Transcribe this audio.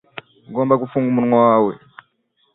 Ugomba gufunga umunwa wawe.